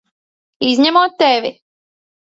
Izņemot tevi!